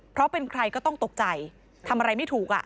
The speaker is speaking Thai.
เพราะเป็นใครก็ต้องตกใจทำอะไรไม่ถูก